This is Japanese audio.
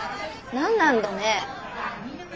何なんだろうね。